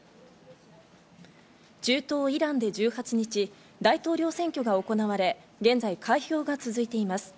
中東イランで１８日、大統領選挙が行われ、現在、開票が続いています。